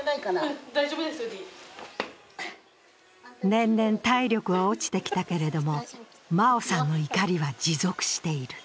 年々体力は落ちてきたけれども、真生さんの怒りは持続している。